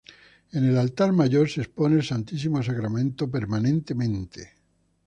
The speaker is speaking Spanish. En el altar mayor se expone el Santísimo Sacramento permanentemente.